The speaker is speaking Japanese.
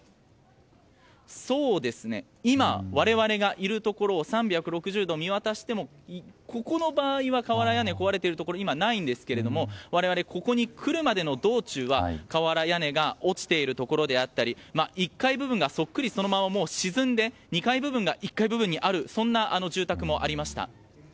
今、我々がいるところを３６０度見渡してもここの場合は瓦屋根が壊れているところはないんですが我々、ここに来るまでの道中は瓦屋根が落ちている場所や１階部分がそっくりそのまま沈んで２階部分が１階部分にあるという住宅もありました。